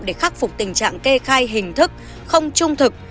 để khắc phục tình trạng kê khai hình thức